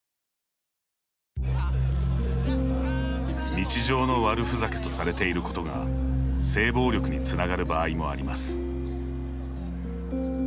日常の悪ふざけとされていることが性暴力に繋がる場合もあります。